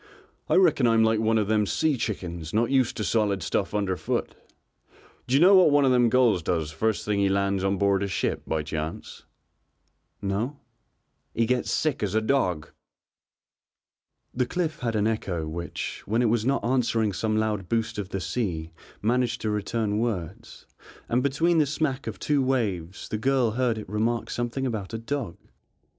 I reckon I'm like one of them sea chickens not used to solid stuff underfoot. D'you know what one of them gulls does first thing he lands on board a ship by chance?" "No." "He gets sick as a dog." The cliff had an echo which, when it was not answering some loud boost of the sea managed to return words, and between the smack of two waves the girl heard it remark something about a dog.